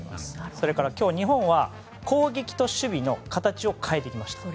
それから今日、日本は攻撃と守備の形を変えてきました。